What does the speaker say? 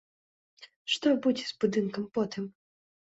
Што будзе з будынкам потым?